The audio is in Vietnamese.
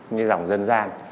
cái rồng dân gian